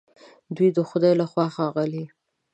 دوی د خدای له خوا ښاغلي